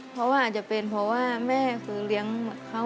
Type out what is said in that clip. เพราะว่าอาจจะเป็นเพราะว่าแม่คือเลี้ยงเขา